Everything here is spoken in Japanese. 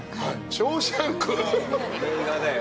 『ショーシャンク』名画だよ。